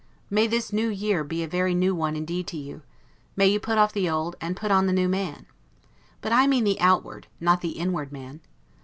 May this new year be a very new one indeed to you; may you put off the old, and put on the new man! but I mean the outward, not the inward man.